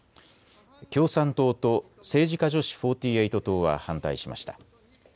共産党と政治家女子４８党は反対しました。